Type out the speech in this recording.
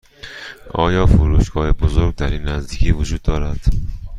آیا فروشگاه بزرگ در این نزدیکی وجود دارد؟